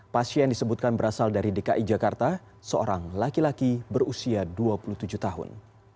pasien disebutkan berasal dari dki jakarta seorang laki laki berusia dua puluh tujuh tahun